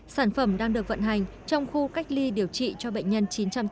sản phẩm đang được vận hành trong khu cách ly điều trị cho bệnh nhân chín trăm tám mươi